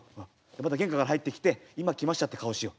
また玄関から入ってきて今来ましたって顔をしよう。